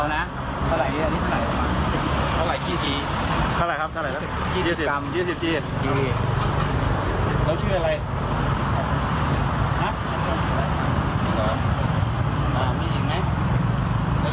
มีอีกไหมรถมีไหม